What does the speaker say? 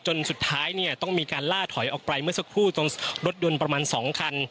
สุดท้ายเนี่ยต้องมีการล่าถอยออกไปเมื่อสักครู่ตรงรถยนต์ประมาณ๒คัน